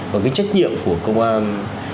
còn cái trách nhiệm của công an